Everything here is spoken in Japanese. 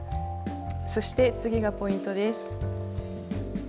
そして次がポイントです。